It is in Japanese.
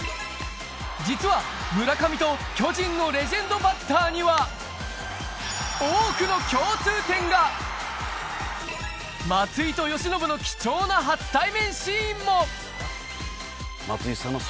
実は村上と巨人のレジェンドバッターには松井と由伸の貴重な初対面シーンも松井さんの。